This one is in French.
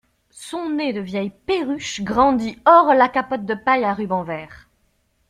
Son nez de vieille perruche grandit hors la capote de paille à rubans verts.